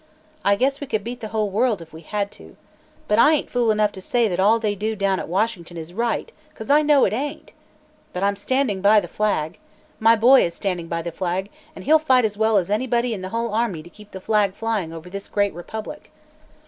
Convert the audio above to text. I guess we could beat the whole world, if we had to. But I ain't fool enough to say that all they do down at Washington is right, 'cause I know it ain't. But I'm standing by the flag. My boy is standing by the flag, and he'll fight as well as any in the whole army to keep the flag flying over this great republic.